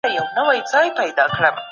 د علم په وسيله د پېښو علتونه معلوميږي.